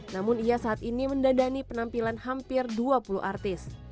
namun ia saat ini mendadani penampilan hampir dua puluh artis